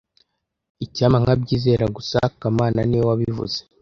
Icyampa nkabyizera gusa kamana niwe wabivuze